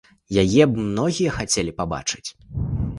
Яе б многія хацелі пабачыць.